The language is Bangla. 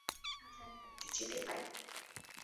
আমরা চাইলে সাঁতার কাটতে যেতে পারি।